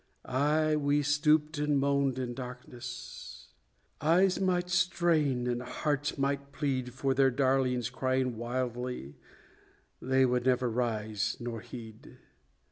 Ay, we stooped and moaned in darkness eyes might strain and hearts might plead, For their darlings crying wildly, they would never rise nor heed!